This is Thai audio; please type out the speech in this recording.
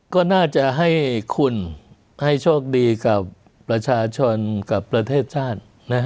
ก็น่าจะให้คุณให้โชคดีกับประชาชนกับประเทศชาติ